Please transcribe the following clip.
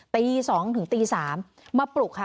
ตี๒ถึงตี๓มาปลุกค่ะ